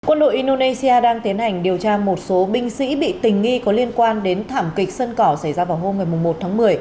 quân đội indonesia đang tiến hành điều tra một số binh sĩ bị tình nghi có liên quan đến thảm kịch sân cỏ xảy ra vào hôm một tháng một mươi